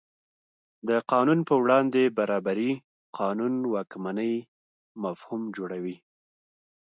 د قانون په وړاندې برابري قانون واکمنۍ مفهوم جوړوي.